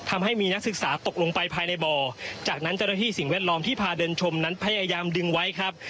ทำให้มีนักศึกษาตกลงไปภายในบ่อจากนั้นเจ้าหน้าที่สิ่งแวดล้อมที่พาเดินชมนั้นพยายามดึงไว้ครับ